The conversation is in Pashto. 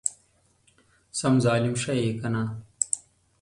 سم ظالم شې يې کنه!